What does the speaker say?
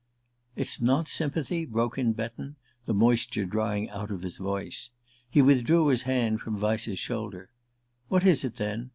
"It's not sympathy?" broke in Betton, the moisture drying out of his voice. He withdrew his hand from Vyse's shoulder. "What is it, then?